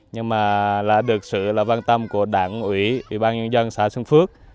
nhưng mà là được sự quan tâm của đảng ủy ủy ban nhân dân xã xuân phước